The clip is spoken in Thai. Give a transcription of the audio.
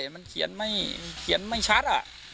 ว่าเขียนไม่ชัด